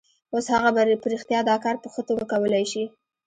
اوس هغه په رښتیا دا کار په ښه توګه کولای شي